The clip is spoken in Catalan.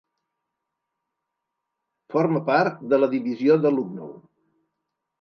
Forma part de la divisió de Lucknow.